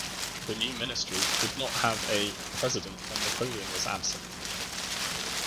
The new ministry did not have a "president when Napoleon was absent".